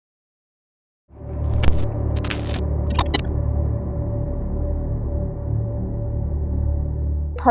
หั่นเกี่ยวข้างในห้อง